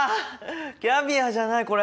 キャビアじゃないこれ。